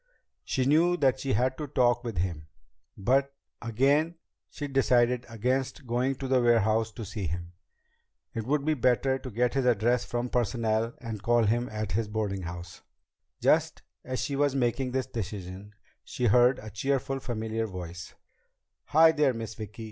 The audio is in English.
She knew that she had to talk with him, but again she decided against going to the warehouse to see him. It would be better to get his address from Personnel and call him at his boardinghouse. Just as she was making this decision, she heard a cheerful, familiar voice: "Hi there, Miss Vicki!"